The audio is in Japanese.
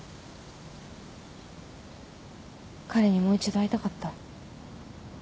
彼にもう一度会いたかった。